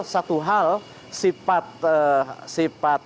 satu hal sifat sifat